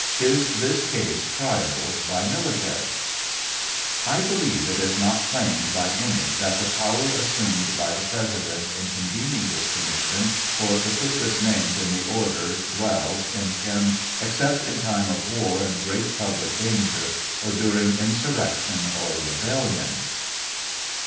Is this case triable by military ? I believe it is not claimed by any that the power assumed by the President in convening this commission for the purpose named in the order dwells in him, except in time of war and great public danger, or dming insurrection or rebel lion.